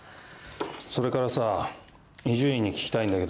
それからさ伊集院に聞きたいんだけど。